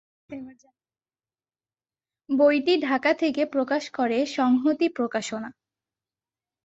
বইটি ঢাকা থেকে প্রকাশ করে সংহতি প্রকাশনা।